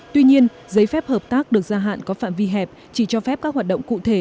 tuy nhiên giấy phép hợp tác được gia hạn có phạm vi hẹp chỉ cho phép các hoạt động cụ thể